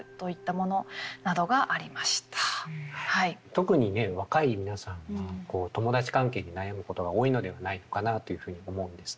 特にね若い皆さんはこう友達関係に悩むことが多いのではないのかなというふうに思うんですけれども。